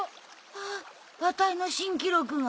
あっアタイの新記録が。